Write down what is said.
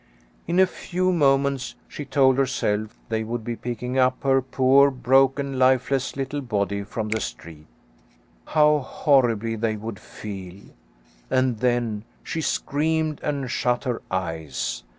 In a few moments, she told herself, they would be picking up her poor, broken, lifeless little body from the street. How horribly they would feel. And then she screamed and shut her eyes.